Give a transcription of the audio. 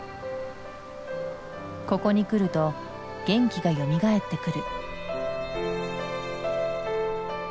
ここに来ると元気がよみがえってくる。